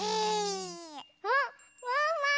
あっワンワン！